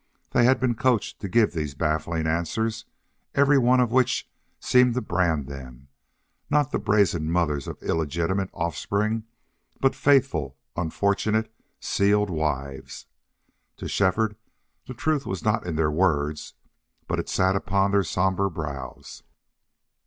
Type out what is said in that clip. They had been coached to give these baffling answers, every one of which seemed to brand them, not the brazen mothers of illegitimate offspring, but faithful, unfortunate sealed wives. To Shefford the truth was not in their words, but it sat upon their somber brows.